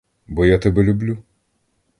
Бо я тебе люблю!